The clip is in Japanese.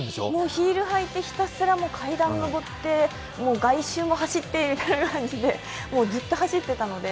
ヒール履いて、ひたすら階段上って、外周も走ってみたいな感じでずっと走ってたので。